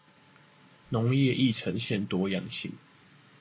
農業亦呈現多樣性